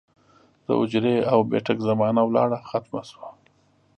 د حجرې او بېټک زمانه لاړه ختمه شوه